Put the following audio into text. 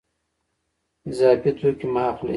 اضافي توکي مه اخلئ.